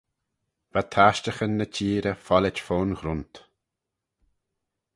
Va tashtaghyn ny çheerey follit fo'n ghrunt.